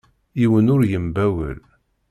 Yiwen ur yembawel.